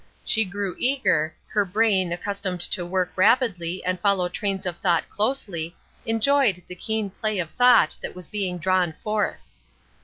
She grew eager; her brain, accustomed to work rapidly and follow trains of thought closely, enjoyed the keen play of thought that was being drawn forth.